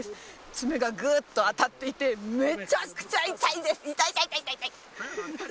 ツメがグッと当たっていてめちゃくちゃ痛いです痛い痛い痛い！